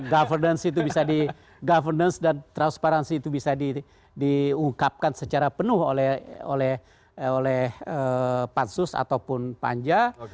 governance itu bisa di governance dan transparansi itu bisa diungkapkan secara penuh oleh pansus ataupun panja